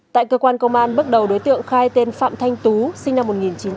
tại cơ quan công an bắt đầu đối tượng khai tên phạm thanh tú sinh năm một nghìn chín trăm chín mươi hai